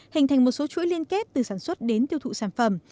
hình thành một số chuỗi liên kết từ sản xuất đến tiêu thụ sản phẩm